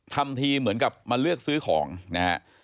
ทำทีเหมือนกับมาเลือกซื้อของนะฮะ